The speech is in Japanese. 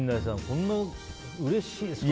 こんな、うれしいですね。